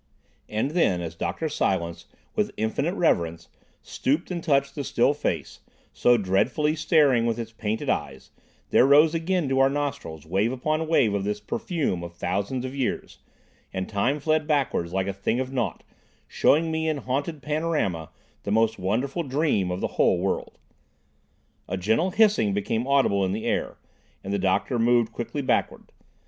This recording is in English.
And then, as Dr. Silence, with infinite reverence, stooped and touched the still face, so dreadfully staring with its painted eyes, there rose again to our nostrils wave upon wave of this perfume of thousands of years, and time fled backwards like a thing of naught, showing me in haunted panorama the most wonderful dream of the whole world. A gentle hissing became audible in the air, and the doctor moved quickly backwards.